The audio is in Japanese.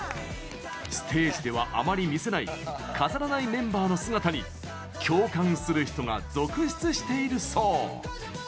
ステージでは、あまり見せない飾らないメンバーの姿に共感する人が続出しているそう。